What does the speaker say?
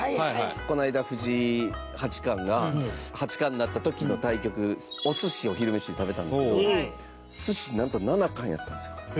この間、藤井八冠が八冠になった時の対局お寿司を昼飯で食べたんですけど寿司なんと、七貫やったんですよ。